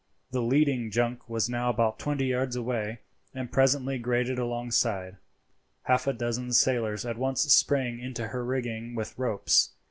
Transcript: The leading junk was now about twenty yards away, and presently grated alongside. Half a dozen sailors at once sprang into her rigging with ropes.